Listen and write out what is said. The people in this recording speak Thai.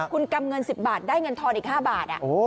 คุณกำเงิน๑๐บาทได้เงินทอนอีก๕บาท